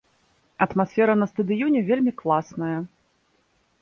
Атмасфера на стадыёне вельмі класная.